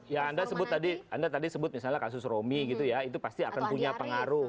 ya anda sebut tadi anda tadi sebut misalnya kasus romi gitu ya itu pasti akan punya pengaruh